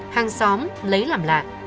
hàng xóm lấy làm lạ